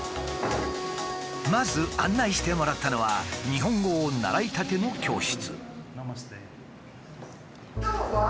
まず案内してもらったのは日本語を習いたての教室。